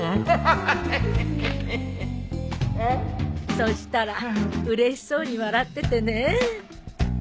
そしたらうれしそうに笑っててね。